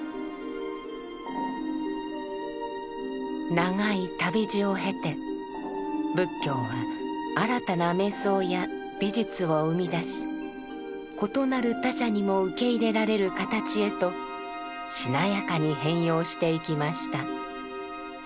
長い旅路を経て仏教は新たな瞑想や美術を生み出し異なる他者にも受け入れられる形へとしなやかに変容していきました。